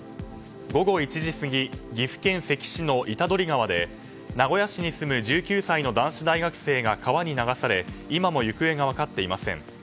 午後１時過ぎ岐阜県関市の板取川で名古屋市に住む１９歳の男子大学生が川に流され今も行方が分かっていません。